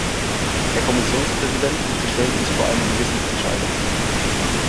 Herr Kommissionspräsident, Sie stellen uns vor eine Gewissensentscheidung.